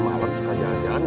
kalau malam suka jalan jalan gak